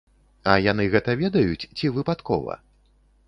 А яны гэта ведаюць ці выпадкова?